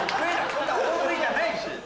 そんな大食いじゃないし。